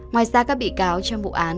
ngoài ra các bị cáo trong bộ án